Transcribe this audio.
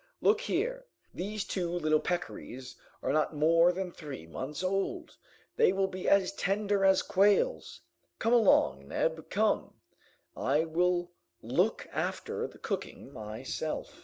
Look here! These two little peccaries are not more than three months old! They will be as tender as quails! Come along, Neb, come! I will look after the cooking myself."